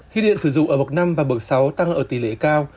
khi điện sử dụng ở bực năm và bực sáu tăng ở tỷ lệ cao